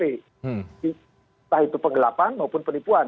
entah itu penggelapan maupun penipuan